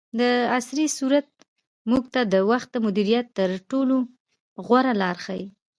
دعصري سورت موږ ته د وخت د مدیریت تر ټولو غوره لار ښیي.